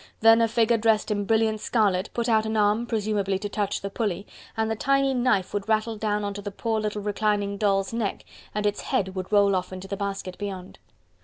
Then a figure dressed in brilliant scarlet put out an arm presumably to touch the pulley, and the tiny knife would rattle down on to the poor little reclining doll's neck, and its head would roll off into the basket beyond.